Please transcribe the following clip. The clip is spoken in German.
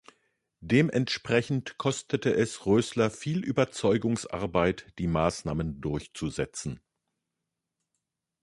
Dementsprechend kostete es Rösler viel Überzeugungsarbeit, die Maßnahmen durchzusetzen.